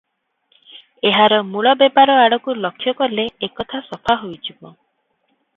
ଏହାର ମୂଳ ବେପାର ଆଡ଼କୁ ଲକ୍ଷ୍ୟ କଲେ ଏକଥା ସଫା ହୋଇଯିବ ।